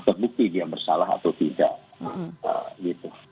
terbukti dia bersalah atau tidak gitu